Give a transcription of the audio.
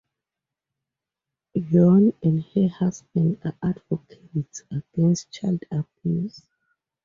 Yoon and her husband are advocates against child abuse.